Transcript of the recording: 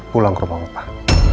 pulang ke rumahku pak